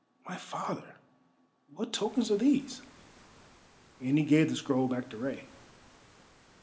My father, what tokens are these?" and he gave the scroll back to Rei.